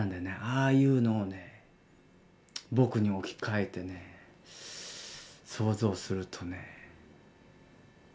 ああいうのを僕に置き換えて想像するとね。